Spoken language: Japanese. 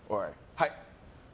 はい。